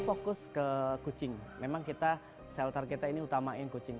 fokus ke kucing memang kita shelter kita ini utamain kucing